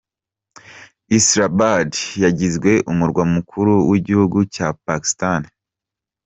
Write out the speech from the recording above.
Islamabad, yagizwe umurwa mukuru w’igihugu cya Pakistan.